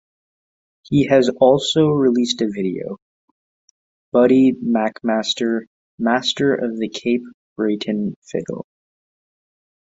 He has also released a video, "Buddy MacMaster, Master of the Cape Breton Fiddle".